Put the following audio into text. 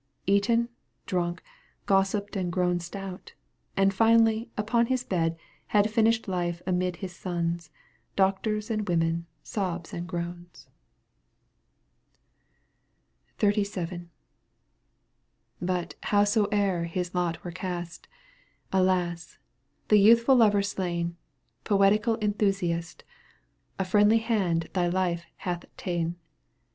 Eaten, drunk, gossiped and grown stout : And finally, upon his bed Had finished life amid his sons. Doctors and women, sobs and groans. Digitized by VjOOQ 1С CANTO VI. EUGENE ONEGUINE. 179 XXXVII. But, howsoe'er Ыз lot were cast, Alas ! the youthful lover slain, Poetical enthusiast, A friendly hand thy life hath ta'en